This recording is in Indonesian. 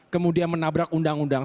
kemudian menabrak undang undang